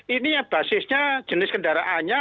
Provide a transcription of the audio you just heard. ini yang basisnya jenis kendaraannya